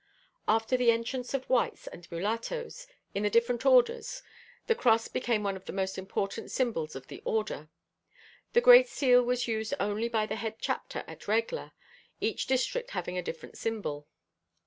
After the entrance of whites and mulatoes in the different orders the cross became one of the most important symbols of the order. The great seal was used only by the head chapter at Regla, each district having a different symbol.